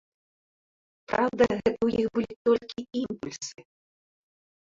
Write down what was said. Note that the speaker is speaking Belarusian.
Праўда, гэта ў іх былі толькі імпульсы.